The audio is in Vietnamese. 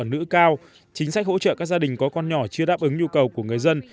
nữ cao chính sách hỗ trợ các gia đình có con nhỏ chưa đáp ứng nhu cầu của người dân